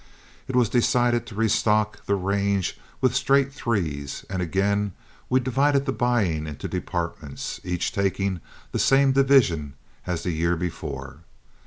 It was decided to restock the range with straight threes, and we again divided the buying into departments, each taking the same division as the year before.